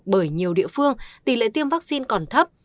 bởi nhiều địa phương tỷ lệ tiêm vaccine còn thấp